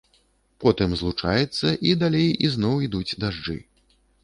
Потым злучаецца, і далей ізноў ідуць дажджы.